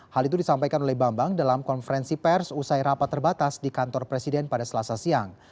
hal itu disampaikan oleh bambang dalam konferensi pers usai rapat terbatas di kantor presiden pada selasa siang